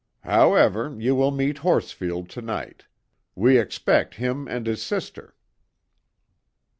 However, ye will meet Horsfield to night. We expect him and his sister."